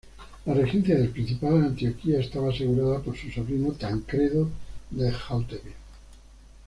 La regencia del Principado de Antioquía estaba asegurada por su sobrino Tancredo de Hauteville.